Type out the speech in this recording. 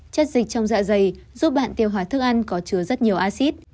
chất dịch trong dạ dày giúp bạn tiêu hóa thức ăn có chứa rất nhiều acid